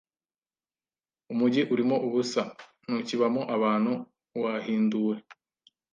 Umugi urimo ubusa ntukibamo abantu wahinduwe